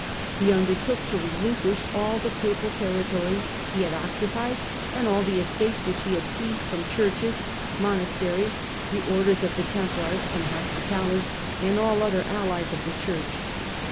He undertook to relinquish all the Papal territories he had occupied and all the estates which he had seized from churches, monasteries, the Orders of the Templars and Hospitallers, and all other allies of the Church.